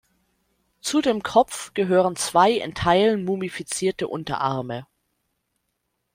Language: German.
Zu dem Kopf gehören zwei in Teilen mumifizierte Unterarme.